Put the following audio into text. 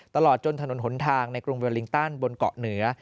ตลอดจนถนนหนทางในกรุงเวลลิงตันบนเกาะเหนือ